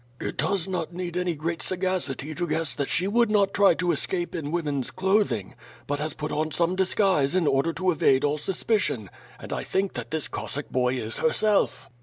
"It does not need any great sagacity to guess that she would not try to escape in woman's clothing, but has put on some disguise in order to evade all suspicion; and I think that this Cossack boy is herself."